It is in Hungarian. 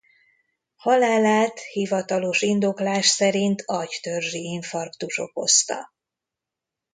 Halálát hivatalos indoklás szerint agytörzsi infarktus okozta.